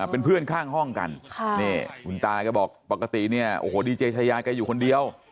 เป็นเพื่อนข้างห้องกันคุณตาแกบอกปกติเนี่ยโอ้โหดีเจชายาแกอยู่คนเดียว